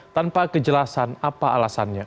tanpa kejelasan apa alasannya